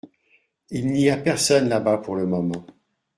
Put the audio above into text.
Il n’y a personne là-bas pour le moment.